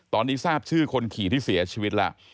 ตอนนี้ทราบชื่อคนขี่ที่เสียชีวิตแล้ว